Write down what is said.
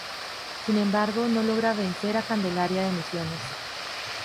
Sin embargo, no logra vencer a Candelaria de Misiones.